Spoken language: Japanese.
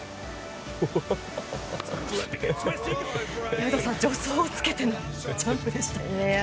有働さん助走をつけてのジャンプでした。